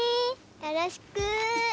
よろしく。